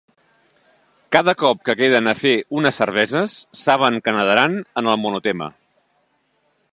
Cada cop que queden a fer unes cerveses saben que nedaran en el monotema.